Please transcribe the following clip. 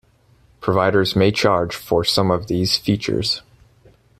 Providers may charge for some of these features.